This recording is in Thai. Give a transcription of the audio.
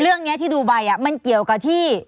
เรื่องนี้ที่ดูไปมันเกี่ยวกับที่